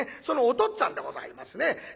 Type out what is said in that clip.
そのおとっつぁんでございますね。